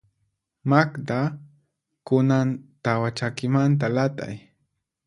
Magda, kunan tawa chakimanta lat'ay.